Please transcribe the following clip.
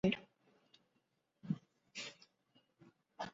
With the arrival of sound movies, however, his fortunes declined.